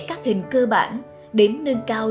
các hình cơ bản đến nâng cao